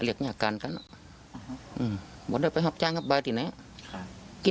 เรียกเนี้ยอาการขั้นอ่ะอืมบอกได้ไปหับจ้างหับบ้านที่นี้ค่ะ